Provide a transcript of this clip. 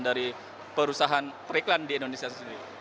dari perusahaan periklan di indonesia sendiri